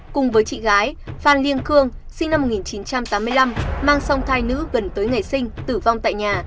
cùng với chị gái phan liên khương sinh năm một nghìn chín trăm tám mươi năm mang xong thai nữ gần tới ngày sinh tử vong tại nhà